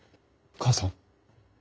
母さん。